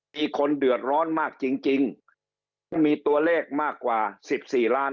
มีคนเดือดร้อนมากจริงจริงมีตัวเลขมากกว่าสิบสี่ล้าน